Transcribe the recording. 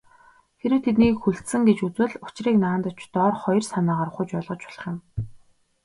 Хэрэв тэднийг хүлцсэн гэж үзвэл, учрыг наанадаж доорх хоёр санаагаар ухаж ойлгож болох юм.